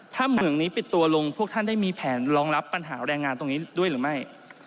ถ้าเหมืองนี้ปิดตัวลงพวกท่านได้มีแผนรองรับปัญหาแรงงานตรงนี้ด้วยหรือไม่